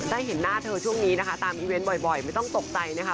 เห็นหน้าเธอช่วงนี้นะคะตามอีเวนต์บ่อยไม่ต้องตกใจนะคะ